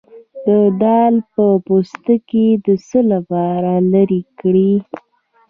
د دال پوستکی د څه لپاره لرې کړم؟